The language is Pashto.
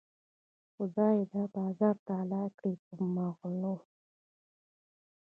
خدایه دا بازار تالا کړې په مغلو.